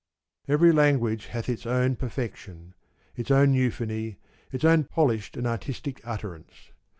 y Every language hath its own perfection, its own A^uphony, its own polished and artistic utterance.